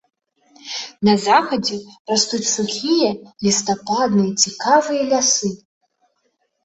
На захадзе растуць сухія лістападныя цікавыя лясы.